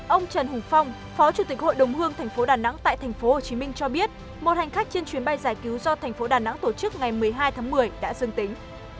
ông trần hùng phong phó chủ tịch hội đồng hương tp đà nẵng tại tp hcm cho biết một hành khách trên chuyến bay giải cứu do tp đà nẵng tổ chức ngày một mươi hai tháng một mươi đã dừng tính